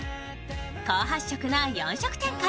高発色な４色展開。